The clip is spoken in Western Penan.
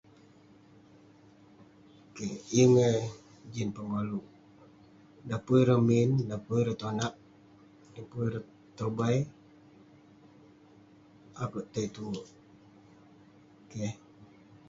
Keh, yeng eh jin pengoluk. Dan pun ireh min, dan pun ireh tonak, dan pun ireh tobai ; akouk tai tue. Keh.